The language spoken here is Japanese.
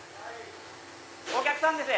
お客さんです。